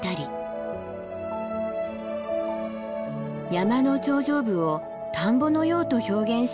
山の頂上部を田んぼのようと表現した牧之。